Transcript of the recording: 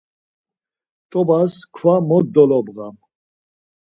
T̆obas kva mot dolobğam.